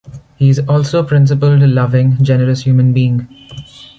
He is also a principled, loving, generous human being.